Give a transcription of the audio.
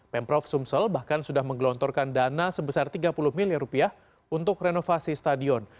pemprov sumsel bahkan sudah menggelontorkan dana sebesar tiga puluh miliar rupiah untuk renovasi stadion